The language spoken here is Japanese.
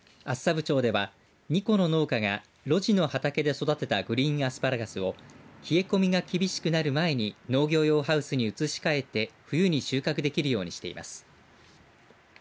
厚沢部町では２戸の農家が路地の畑で育てたグリーンアスパラガスを冷え込みが厳しくなる前に農業用ハウスに移し替えて冬に収穫できるようにしています。